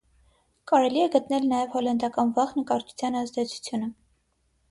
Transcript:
Կարելի է գտնել նաև հոլանդական վաղ նկարչության ազդեցությունը։